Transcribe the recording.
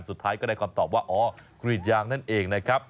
สุดท้ายก็ได้คำตอบว่าอ๋อกรีดยางนั่นเองนะครับ